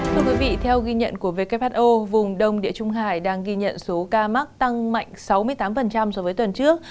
thưa quý vị theo ghi nhận của who vùng đông địa trung hải đang ghi nhận số ca mắc tăng mạnh sáu mươi tám so với tuần trước